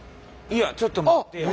いやちょっと待ってや。